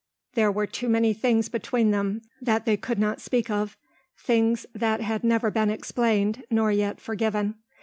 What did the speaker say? There were too many things between them that they could not speak of, things that had never been explained nor yet forgiven.